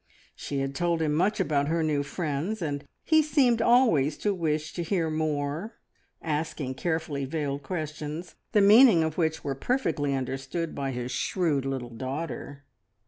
She had told him much about her new friends, and he seemed always to wish to hear more, asking carefully veiled questions, the meaning of which were perfectly understood by his shrewd little daughter.